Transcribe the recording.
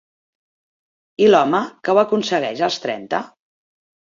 I l'home que ho aconsegueix als trenta?